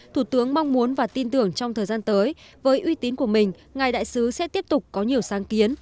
thủ tướng mong muốn và tin tưởng trong thời gian tới với uy tín của mình ngài đại sứ sẽ tiếp tục có nhiều sáng kiến